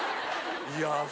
いや。